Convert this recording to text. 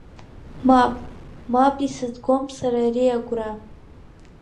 Мап, мап исызгом сара ари агәра!